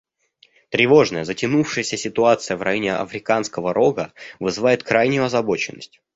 Тревожная затянувшаяся ситуация в районе Африканского Рога вызывает крайнюю озабоченность.